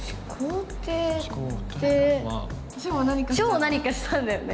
書を何かしたんだよね。